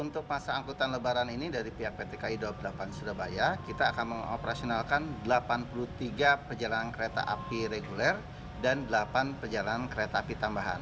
untuk masa angkutan lebaran ini dari pihak pt ki dua puluh delapan surabaya kita akan mengoperasionalkan delapan puluh tiga perjalanan kereta api reguler dan delapan perjalanan kereta api tambahan